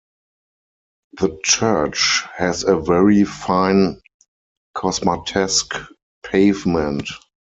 The church has a very fine Cosmatesque pavement.